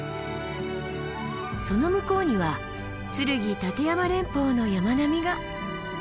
その向こうには剱・立山連峰の山並みが。